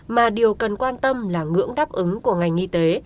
mà điều cần quan tâm là ngưỡng đáp ứng của ngành y tế